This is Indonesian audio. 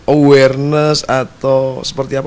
awareness atau seperti apa